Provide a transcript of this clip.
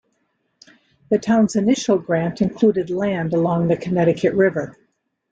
The town's initial grant included land along the Connecticut River.